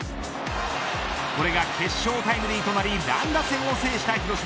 これが決勝タイムリーとなり乱打戦を制した広島。